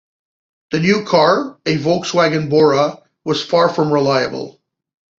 The new car, a Volkswagen Bora, was far from reliable.